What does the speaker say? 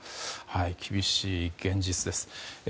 厳しい現実です。